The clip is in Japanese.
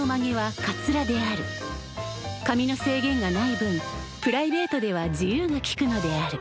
かみの制限がない分プライベートでは自由がきくのである。